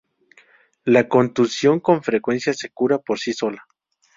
La contusión con frecuencia se cura por sí sola.